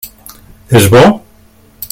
És bo?